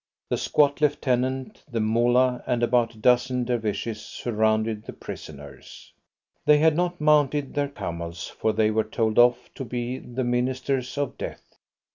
The squat lieutenant, the Moolah, and about a dozen Dervishes surrounded the prisoners. They had not mounted their camels, for they were told off to be the ministers of death.